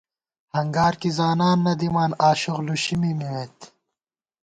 ہنگارکی زانان نہ دِمان آشوخ لُشی می مِمېت